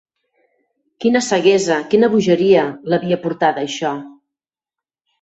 Quina ceguesa, quina bogeria, l'havia portada a això!